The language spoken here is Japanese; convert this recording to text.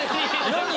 何？